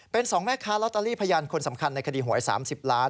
เป็น๒แม่ค้าลอตเตอรี่พยานคนสำคัญในคดีหวย๓๐ล้าน